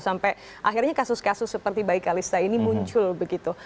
sampai akhirnya kasus kasus seperti bayi kalista ini muncul begitu